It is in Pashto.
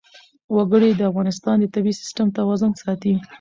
وګړي د افغانستان د طبعي سیسټم توازن ساتي.